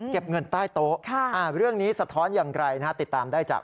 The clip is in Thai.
เก็บเงินใต้โต๊ะเรื่องนี้สะท้อนอย่างไรนะฮะติดตามได้จาก